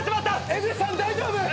江口さん大丈夫？